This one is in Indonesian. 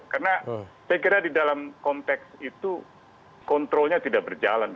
karena saya kira di dalam konteks itu kontrolnya tidak berjalan